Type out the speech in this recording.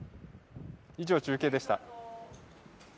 以上、中継でした。